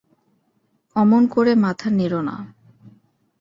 অমন করে মাথা নেড়ো না।